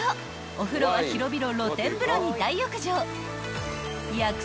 ［お風呂は広々露天風呂に大浴場薬草泉も］